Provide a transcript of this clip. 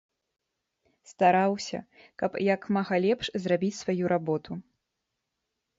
Стараўся, каб як мага лепш зрабіць сваю работу.